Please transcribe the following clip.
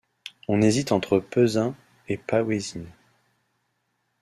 On hésite entre Pessin et Päwesin.